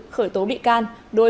khởi tố bị can